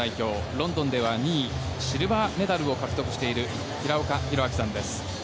ロンドンでは２位シルバーメダルを獲得している平岡拓晃さんです。